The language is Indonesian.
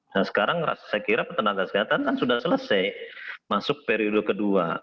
nah sekarang saya kira tenaga kesehatan kan sudah selesai masuk periode kedua